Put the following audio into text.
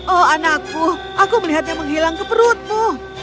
oh anakku aku melihatnya menghilang ke perutmu